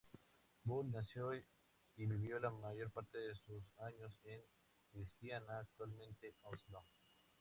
Bull nació y vivió la mayor parte de sus años en Kristiania, actualmente Oslo.